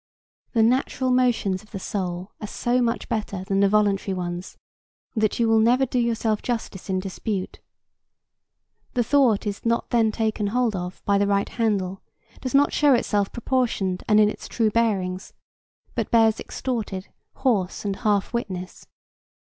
The natural motions of the soul are so much better than the voluntary ones that you will never do yourself justice in dispute. The thought is not then taken hold of by the right handle, does not show itself proportioned and in its true bearings, but bears extorted, hoarse, and half witness.